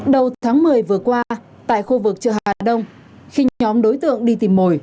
đầu tháng một mươi vừa qua tại khu vực chợ hà đông khi nhóm đối tượng đi tìm mồi